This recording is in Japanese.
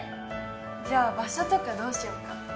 じゃあ場所とかどうしようか。